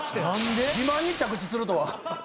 自慢に着地するとは。